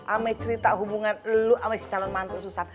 ama cerita hubungan lo sama si calon mantan susan